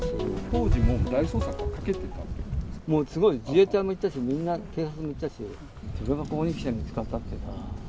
当時も大捜索をかけてたんでもうすごい、自衛隊も行ったし、みんな警察も行ったし、それがここにきて見つかったっていうのは。